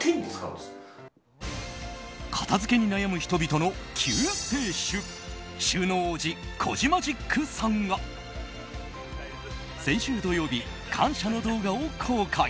片づけに悩む人々の救世主収納王子コジマジックさんが先週土曜日、感謝の動画を公開。